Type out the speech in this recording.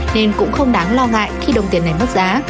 nên cũng không đáng lo ngại khi đồng tiền này mất giá